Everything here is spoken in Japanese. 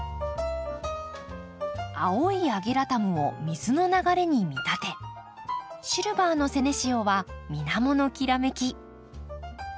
青いアゲラタムを水の流れに見立てシルバーのセネシオは水面のきらめき。